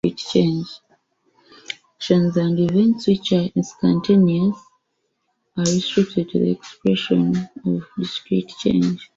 Actions and events, which are instantaneous, are restricted to the expression of discrete change.